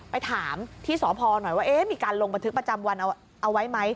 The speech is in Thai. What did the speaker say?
ไปถามที่สพหน่อยว่ามีการลงบันทึกประจำวันเอาไว้ไหม